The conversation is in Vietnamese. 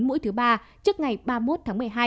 mũi thứ ba trước ngày ba mươi một tháng một mươi hai